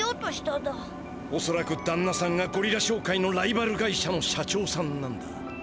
おそらくだんなさんがゴリラ商会のライバル会社の社長さんなんだ。